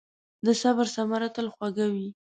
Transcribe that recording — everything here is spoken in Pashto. د صبر ثمره تل خوږه وي.